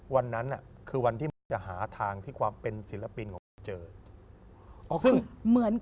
วันนั้นคือวันที่จะหาทางที่ความเป็นศิลปินของพี่จะเจอ